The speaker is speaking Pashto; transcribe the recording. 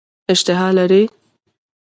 اشتها لري.